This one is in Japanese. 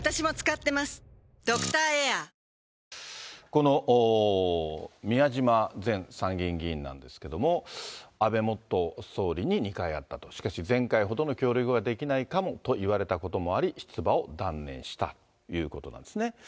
この宮島前参議院議員なんですけども、安倍元総理に２回会ったと、しかし前回ほどの協力はできないかもと言われたこともあり、出馬を断念したということなんですね。